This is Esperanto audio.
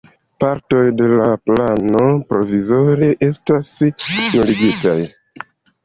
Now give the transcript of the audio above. Partoj de la plano provizore estas nuligitaj.